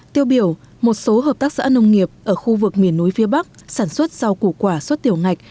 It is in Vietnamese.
tiêu biểu một số hợp tác xã nông nghiệp ở khu vực miền núi phía bắc sản xuất rau củ quả xuất tiểu ngạch